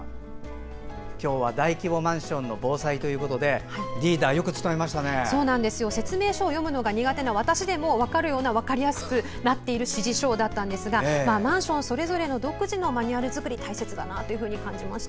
今日は大規模マンションの防災ということで説明書を読むのが苦手な私でも分かるような、分かりやすい指示書だったんですがマンションそれぞれの独自のマニュアル作りが大切だなと感じました。